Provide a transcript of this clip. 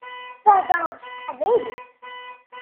Theddṛeḍ s teqbaylit.